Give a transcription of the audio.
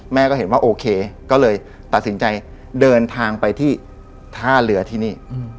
ก็เห็นว่าโอเคก็เลยตัดสินใจเดินทางไปที่ท่าเรือที่นี่